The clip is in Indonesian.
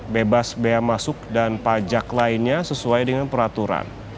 bebas bea masuk dan pajak lainnya sesuai dengan peraturan